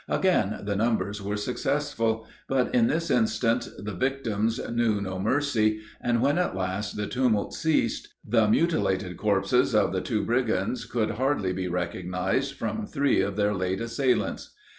Again the numbers were successful, but in this instance the victims knew no mercy, and, when at last the tumult ceased, the mutilated corpses of the two brigands could hardly be recognized from three of their late assailants.